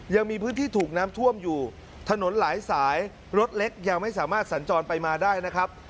ยังมีพื้นที่ถูกน้ำท่วมอยู่ถนนหลายสายรถเล็กยังไม่สามารถสัญจรไปมาได้นะครับ